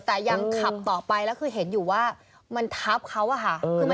แต่ยังขับต่อไปแล้วคือเห็นอยู่ว่ามันทับเขาอะค่ะ